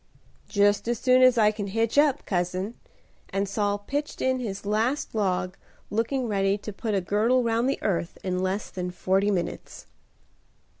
"Just as soon as I can hitch up, cousin;" and Saul pitched in his last log, looking ready to put a girdle round the earth in less than forty minutes.